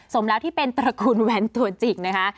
สมแล้วที่เป็นตระกูลแว้นตัวจิกนะคะ